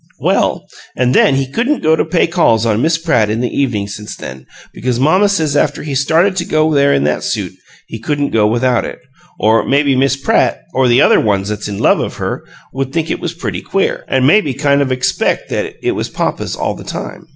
Well, an' then he couldn't go to pay calls on Miss Pratt in the evening since then, because mamma says after he started to go there in that suit he couldn't go without it, or maybe Miss Pratt or the other ones that's in love of her would think it was pretty queer, an' maybe kind of expeck it was papa's all the time.